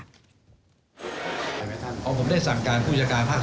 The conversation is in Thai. ผลเอกพระยุจรรย์โอชานายกรัฐมนตรีฝ่ายความมั่นค่ะ